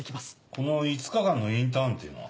この５日間のインターンっていうのは？